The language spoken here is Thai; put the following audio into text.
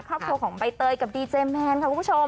ครอบครัวของใบเตยกับดีเจแมนค่ะคุณผู้ชม